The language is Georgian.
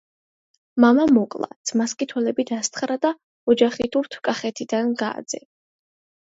მამა მოკლა, ძმას კი თვალები დასთხარა და ოჯახითურთ კახეთიდან გააძევა.